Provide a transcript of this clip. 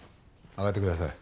上がってください。